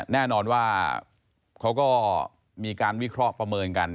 แน่นอนว่าเขาก็มีการวิเคราะห์ประเมินกัน